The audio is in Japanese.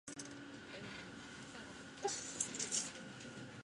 これはな、勇気の切断だ。